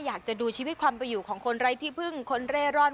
อยากจะดูชีวิตความไปอยู่ของคนไร้ที่พึ่งคนเร่ร่อน